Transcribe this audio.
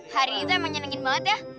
hari itu emang nyenengin banget ya